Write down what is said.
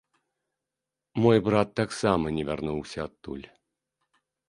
Мой брат таксама не вярнуўся адтуль.